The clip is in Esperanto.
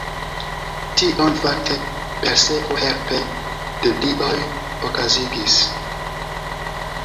Tion fakte Perseo helpe de dioj okazigis.